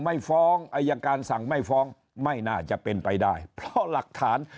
ไม่ฟ้องอายการสั่งไม่ฟ้องไม่น่าจะเป็นไปได้เพราะหลักฐาน